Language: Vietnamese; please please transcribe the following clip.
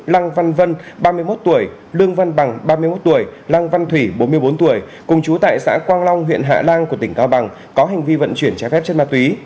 lăng văn vân ba mươi một tuổi lương văn bằng ba mươi một tuổi lang văn thủy bốn mươi bốn tuổi cùng chú tại xã quang long huyện hạ lan của tỉnh cao bằng có hành vi vận chuyển trái phép chất ma túy